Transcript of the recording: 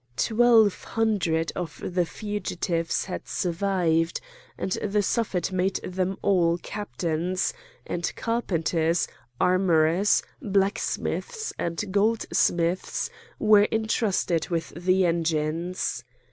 Twelve hundred of the fugitives had survived, and the Suffet made them all captains; and carpenters, armourers, blacksmiths, and goldsmiths were intrusted with the engines.